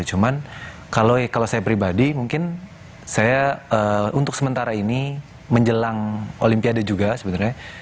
cuman kalau saya pribadi mungkin saya untuk sementara ini menjelang olimpiade juga sebenarnya